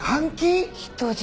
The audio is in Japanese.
人質？